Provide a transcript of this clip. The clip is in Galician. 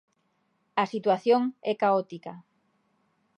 A situación é caótica.